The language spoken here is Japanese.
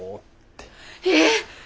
えっ！？